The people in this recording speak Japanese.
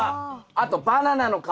あとバナナの皮。